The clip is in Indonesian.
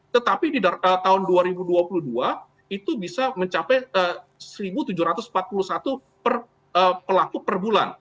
tetapi di tahun dua ribu dua puluh dua itu bisa mencapai satu tujuh ratus empat puluh satu pelaku per bulan